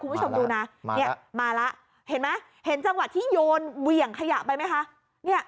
มาละมาละเห็นจังหวะที่โยนเหวี่ยงขยะไปไหมคะ